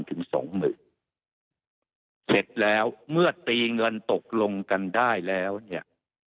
ถึงสองหมื่นเสร็จแล้วเมื่อตีเงินตกลงกันได้แล้วเนี่ย